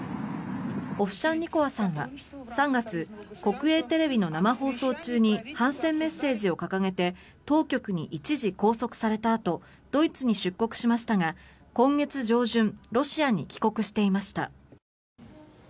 オフシャンニコワさんは３月国営テレビの生放送中に反戦メッセージを掲げて当局に一時拘束されたあとドイツに出国しましたが今月上旬ロシアに帰国していました。